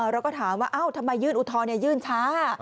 เราก็ถามว่าเอ้าทำไมยื่นอุทธรณ์เนี่ยยื่นช้า